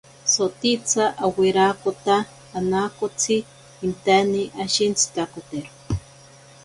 Sotitsa owirakotaka anaakotsi intane ashintsitakotero.